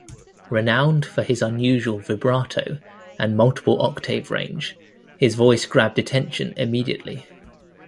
Renowned for his unusual vibrato and multiple octave range, his voice grabbed attention immediately.